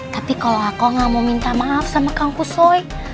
tapi kalau aku nggak mau minta maaf sama kanku soy